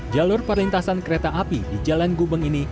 jalur perlintasan kereta api di jalan gubeng ini